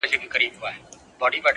ستر بدلونونه له کوچنیو تصمیمونو زېږي!